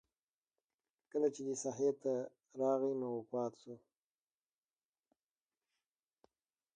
کله چې دې ساحې ته راغی نو وفات شو.